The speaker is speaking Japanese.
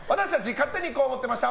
勝手にこう思ってました！